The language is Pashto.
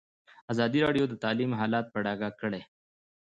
ازادي راډیو د تعلیم حالت په ډاګه کړی.